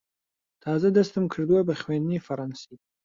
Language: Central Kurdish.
تازە دەستم کردووە بە خوێندنی فەڕەنسی.